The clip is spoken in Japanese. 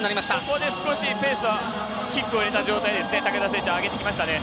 ここで少しペースをキックを入れた状態で竹田選手上げてきましたね。